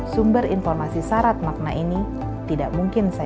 sumber informasi syarat makna ini tidak mungkin saya